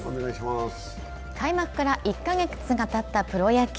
開幕から１か月がたったプロ野球。